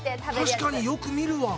確かによく見るわ。